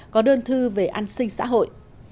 có đơn thư về an sinh xã hội